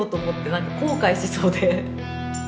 何か後悔しそうで。